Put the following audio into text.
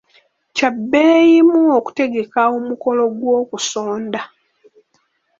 Kyabbeeyimu okutegeka omukolo gw'okusonda.